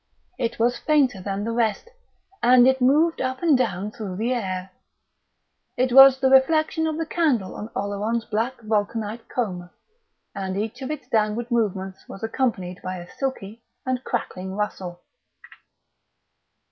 It was fainter than the rest, and it moved up and down through the air. It was the reflection of the candle on Oleron's black vulcanite comb, and each of its downward movements was accompanied by a silky and crackling rustle.